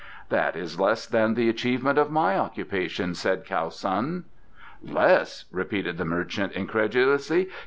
"That is less than the achievement of my occupation," said Kiau Sun. "Less!" repeated the merchant incredulously.